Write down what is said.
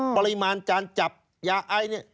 ปริมาณการจับยาไอเนี่ย